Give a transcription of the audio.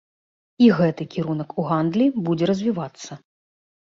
І гэты кірунак у гандлі будзе развівацца.